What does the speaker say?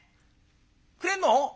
くれんの？